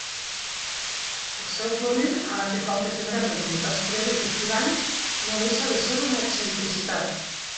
El seu florir ara que prompte tindrem les humitats fredes de fi d'any no deixa de ser una excentricitat.